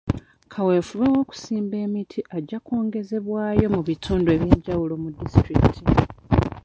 Kaweefube w'okusimba emiti ajja kwongezebwayo mu bitundu eby'enjawulo mu disitulikiti.